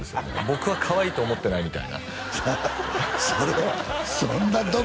僕はかわいいと思ってないみたいなそれはそんな毒